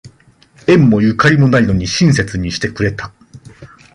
縁もゆかりもないのに親切にしてくれた